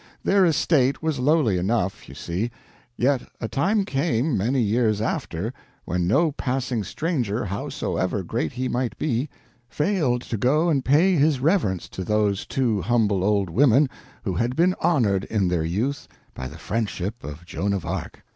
Their estate was lowly enough, you see; yet a time came, many years after, when no passing stranger, howsoever great he might be, failed to go and pay his reverence to those two humble old women who had been honored in their youth by the friendship of Joan of Arc.